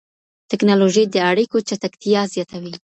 ټکنالوژي د اړيکو چټکتيا زياتوي.